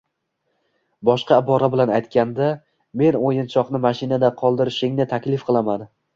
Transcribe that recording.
Boshqa ibora bilan aytganda: Men o‘yinchoqni mashinada qoldirishingni taklif qilaman.